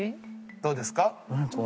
どうですか？